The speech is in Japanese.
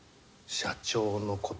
社長のこと